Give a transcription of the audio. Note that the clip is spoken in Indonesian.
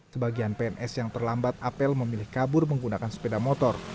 sebagian pns yang terlambat apel memilih kabur menggunakan sepeda motor